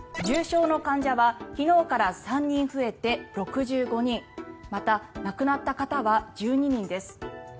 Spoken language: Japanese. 重症の患者は昨日から３人増えて６５人また、亡くなった方は１２人です。